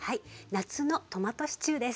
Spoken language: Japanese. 夏のトマトシチューです。